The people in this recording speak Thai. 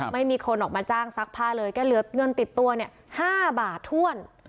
ไม่มีคนออกมาจ้างซักผ้าเลยแกเหลือเงินติดตัวเนี่ย๕บาทถ้วน